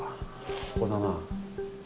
ここだな。